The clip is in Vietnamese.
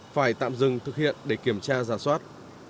phải tạm dừng thực hiện để kiểm tra giả soát